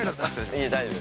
◆いや、大丈夫。